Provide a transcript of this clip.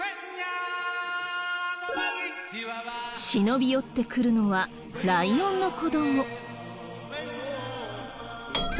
忍び寄ってくるのはライオンの子ども。